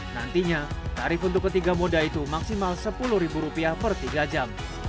nantinya tarif untuk ketiga moda itu maksimal sepuluh rupiah per tiga jam